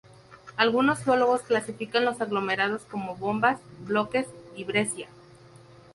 Algunos geólogos clasifican los aglomerados como bombas, bloques y breccia.